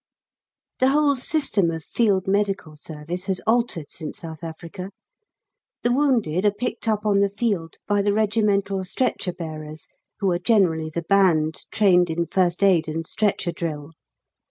The whole system of Field Medical Service has altered since South Africa. The wounded are picked up on the field by the regimental stretcher bearers, who are generally the band, trained in First Aid and Stretcher Drill.